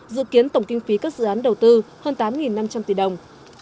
dự kiến tổng kinh phí các dự án đầu tư hơn tám năm trăm linh tỷ đồng